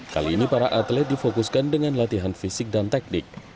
kali ini para atlet difokuskan dengan latihan fisik dan teknik